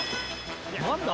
何だ？